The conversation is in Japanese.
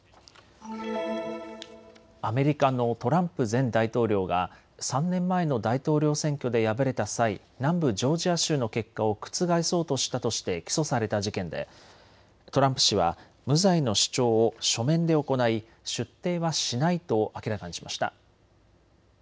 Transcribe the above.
アメリカのトランプ前大統領が３年前の大統領選挙で敗れた際、南部ジョージア州の結果を覆そうとしたとして起訴された事件でトランプ氏は無罪の主張を書面で行い出廷はしないと明らかにしました。